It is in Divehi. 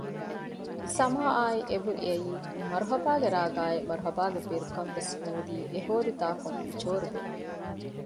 އެސަމާއާއި އެބެރު އެއީ މަރުހަބާގެ ރާގާއި މަރުހަބާގެ ބެރުކަން ވެސް ހޯދީ އެހޯދި ތާކުން ޕިޗޯރުބޭ